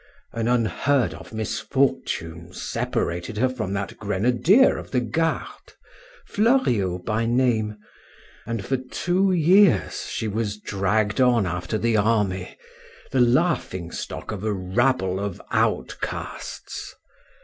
An unheard of misfortune separated her from that grenadier of the Garde (Fleuriot by name), and for two years she was dragged on after the army, the laughing stock of a rabble of outcasts.